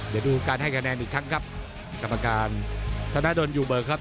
เดี๋ยวดูการให้คะแนนอีกครั้งครับกรรมการธนดลยูเบิกครับ